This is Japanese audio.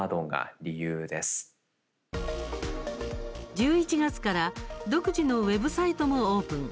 １１月から独自のウェブサイトもオープン。